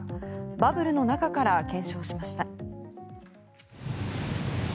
バブルの中から検証しました。